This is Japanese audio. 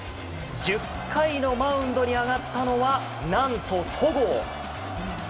１０回のマウンドに上がったのは何と、戸郷。